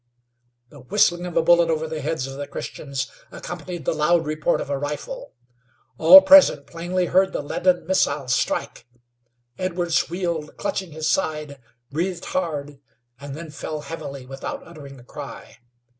The whistling of a bullet over the heads of the Christians accompanied the loud report of a rifle. All presently plainly heard the leaden missile strike. Edwards wheeled, clutching his side, breathed hard, and then fell heavily without uttering a cry.